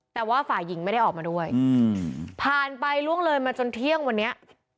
แต่ว่าฝ่ายหญิงไม่ได้ออกมาด้วยผ่านไปล่วงเลยมาจนเที่ยงวันนี้